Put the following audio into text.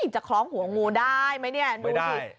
จะคล้องหัวงูได้ไหมเนี่ยดูสิ